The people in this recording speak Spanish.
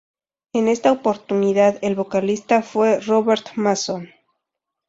En esta oportunidad el vocalista fue "Robert Mason".